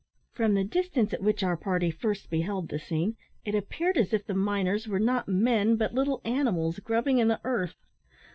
From the distance at which our party first beheld the scene, it appeared as if the miners were not men, but little animals grubbing in the earth.